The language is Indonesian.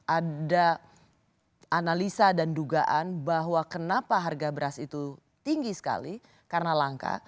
ada analisa dan dugaan bahwa kenapa harga beras itu tinggi sekali karena langka